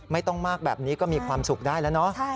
ไม่ต้องมากแบบนี้ก็มีความสุขได้แล้วเนาะ